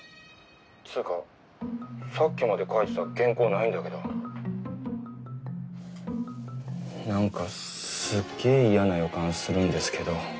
「つーかさっきまで描いてた原稿ないんだけど」なんかすっげえ嫌な予感するんですけど。